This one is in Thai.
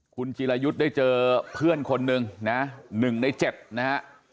คุณจิรายุทธ์ได้เจอเพื่อนคนหนึ่งนะ๑ใน๗นะฮะ